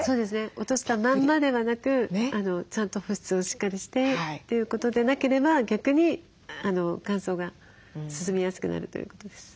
落としたまんまではなくちゃんと保湿をしっかりしてということでなければ逆に乾燥が進みやすくなるということです。